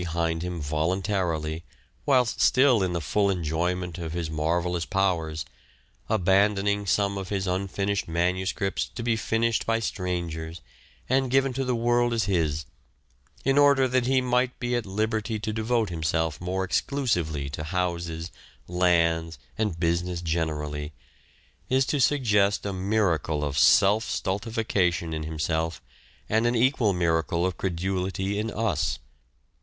behind him voluntarily whilst still in the full enjoy ment of his marvellous powers, abandoning some of his unfinished manuscripts to be finished by strangers and given to the world as his, in order that he might be at liberty to devote himself more exclusively to houses, lands and business generally, is to suggest a miracle of self stultification in himself and an equal miracle of credulity in us.